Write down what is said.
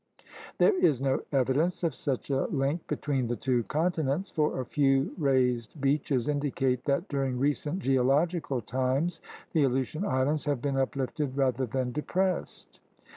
There is no evidence of such a link between the two continents, for a few raised beaches indicate that during recent geological times the Aleutian Islands have been uplifted rather than depressed.